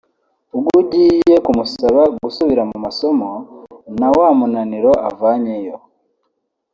Ubwo ugiye kumusaba gusubira mu masomo na wa munaniro avanyeyo